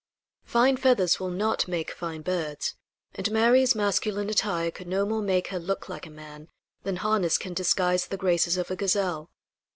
Fine feathers will not make fine birds, and Mary's masculine attire could no more make her look like a man than harness can disguise the graces of a gazelle.